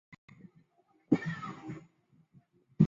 超擢内阁侍读学士。